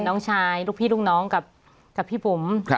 น้องชายลูกพี่ลูกน้องกับพี่บุ๋ม